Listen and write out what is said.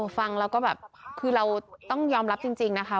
ฟังแล้วก็แบบคือเราต้องยอมรับจริงนะคะ